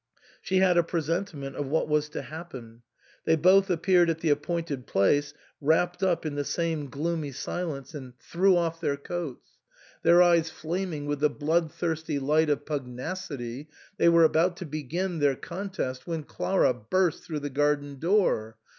She had a presentiment of what was to happen. They both appeared at the appointed place wrapped up in the same gloomy silence, and threw off their coats. THE SAND MAN. 195 Their eyes flaming with the bloodthirsty light of pug nacity, they were about to begin their contest when Clara burst through the garden door.